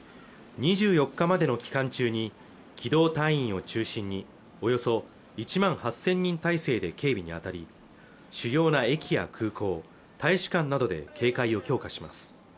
２４日までの期間中に機動隊員を中心におよそ１万８０００人態勢で警備に当たり主要な駅や空港大使館などで警戒を強化します